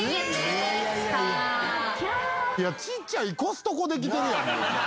ちっちゃいコストコできてるやんもう。